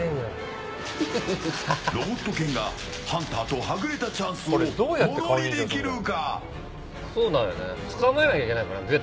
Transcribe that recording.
ロボット犬がハンターとはぐれたチャンスをものにできるか？